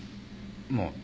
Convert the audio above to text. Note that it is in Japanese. まあ。